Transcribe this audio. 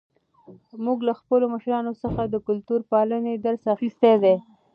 موږ له خپلو مشرانو څخه د کلتور پالنې درس اخیستی دی.